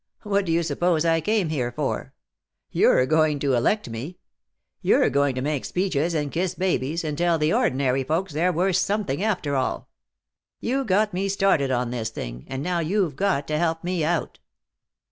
What do you suppose I came here for? You're going to elect me. You're going to make speeches and kiss babies, and tell the ordinary folks they're worth something after all. You got me started on this thing, and now you've got to help me out."